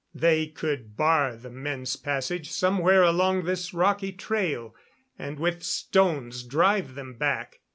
They could bar the men's passage somewhere along this rocky trail, and with stones drive them back.